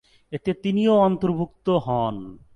এতে তিনিও অন্তর্ভুক্ত হন।